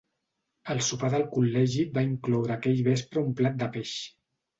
El sopar del col·legi va incloure aquell vespre un plat de peix.